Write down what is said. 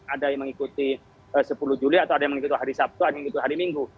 ada yang mengikuti sepuluh juli atau ada yang mengikuti hari sabtu ada yang mengikuti hari minggu